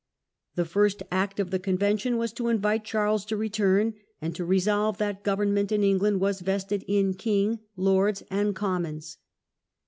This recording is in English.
The first act of the Convention was to invite Charles to return, and to resolve that government in England was vested in King, Lords, and Commons.